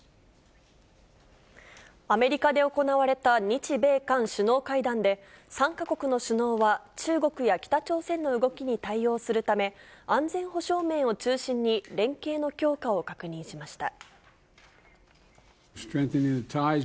アメリカで行われた日米韓首脳会談で、３か国の首脳は、中国や北朝鮮の動きに対応するため、安全保障面を中心に、連携の強化を確認しました。